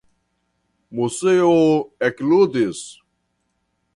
Moseo ekludis.